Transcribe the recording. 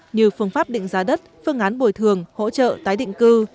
như phương pháp định giá đất phương án bồi thường hỗ trợ tái định cư